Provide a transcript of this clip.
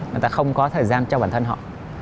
người ta không có thời gian cho bản thân họ